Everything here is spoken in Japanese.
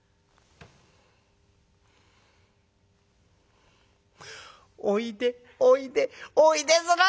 「『おいでおいでおいで』するんだよ！